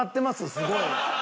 すごい。